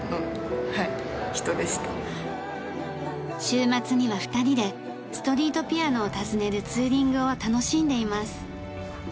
週末には２人でストリートピアノを訪ねるツーリングを楽しんでいます。